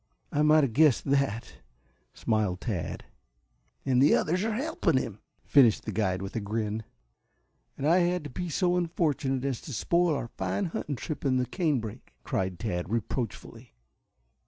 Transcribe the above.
"I might have guessed that," smiled Tad. "And the others are helping him," finished the guide with a grin. "And I had to be so unfortunate as to spoil our fine hunting trip in the canebrake," cried Tad reproachfully.